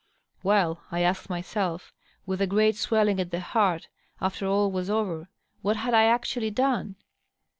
Well, I asked myself, with a great swelling at the heart, after all was over, what had I actually done?